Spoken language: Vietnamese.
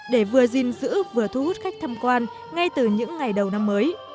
để vừa dinh dữ vừa thu hút khách tham quan ngay từ những ngày đầu năm mới